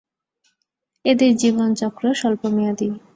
এদের জীবনচক্র স্বল্পমেয়াদি।